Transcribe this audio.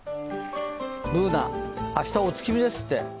Ｂｏｏｎａ、明日、お月見ですって。